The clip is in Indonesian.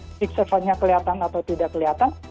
fisik servernya kelihatan atau tidak kelihatan